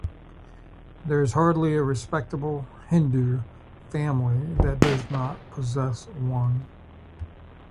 There is hardly a respectable Hindu family that does not possess one.